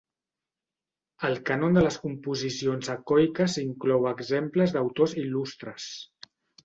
El cànon de les composicions ecoiques inclou exemples d'autors il·lustres.